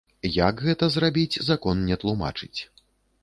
Як гэта зрабіць, закон не тлумачыць.